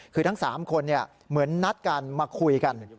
คือทั้ง๓คนเหมือนนัดกันมาคุยกัน